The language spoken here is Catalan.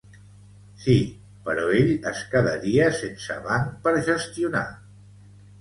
Sí, però ell es quedaria sense banc per gestionar.